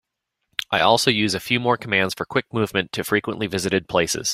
I also use a few more commands for quick movement to frequently visited places.